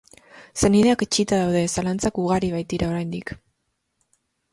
Senideak etsita daude, zalantzak ugari baitira oraindik.